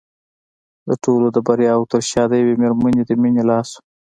د ټولو د بریاوو تر شا د یوې مېرمنې د مینې لاس و